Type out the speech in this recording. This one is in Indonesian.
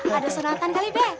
ada sunatan kali bek